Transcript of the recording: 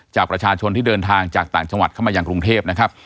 จากประชาชนที่เดินทางจากต่างจังหวัดเข้ามาอย่างกรุงเทพนะครับ